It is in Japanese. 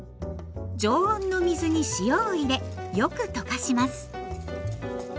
常温の水に塩を入れよく溶かします。